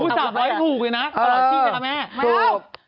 ๓๐๐ถูกเลยนะเออถูก